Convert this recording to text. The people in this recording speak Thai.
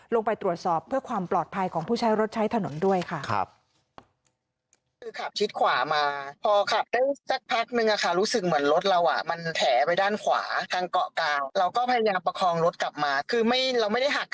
ลงไปตรวจสอบเพื่อความปลอดภัยของผู้ใช้รถใช้ถนนด้วยค่ะ